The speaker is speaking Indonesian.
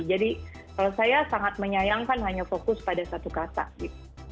jadi kalau saya sangat menyayangkan hanya fokus pada satu kata gitu